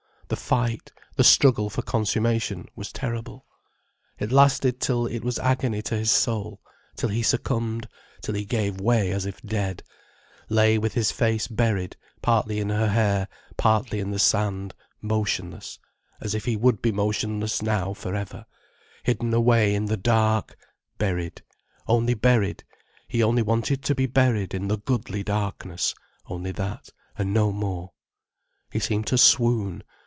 The fight, the struggle for consummation was terrible. It lasted till it was agony to his soul, till he succumbed, till he gave way as if dead, lay with his face buried, partly in her hair, partly in the sand, motionless, as if he would be motionless now for ever, hidden away in the dark, buried, only buried, he only wanted to be buried in the goodly darkness, only that, and no more. He seemed to swoon.